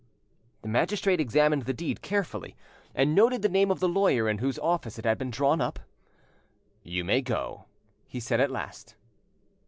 The magistrate examined the deed carefully, and noted the name of the lawyer in whose office it had been drawn up. "You may go," he said at last.